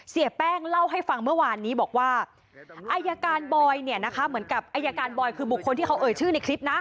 เสียแป้งเล่าให้ฟังเมื่อวานนี้บอกว่าอายการบอยเนี่ยนะคะเหมือนกับอายการบอยคือบุคคลที่เขาเอ่ยชื่อในคลิปนะ